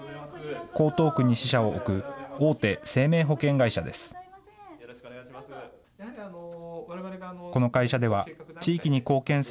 江東区に支社を置く大手生命保険会社です。